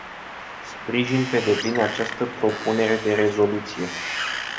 Sprijin pe deplin această propunere de rezoluție.